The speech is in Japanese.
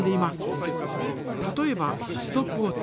例えばストップウォッチ。